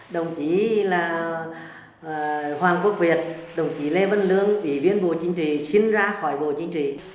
đồng chí là hoàng quốc việt đồng chí lê vân lương ủy viên bộ chính trị xin ra khỏi bộ chính trị